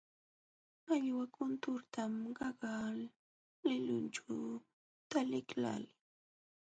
Mallwa kunturtam qaqa lulinćhu taliqlaalii.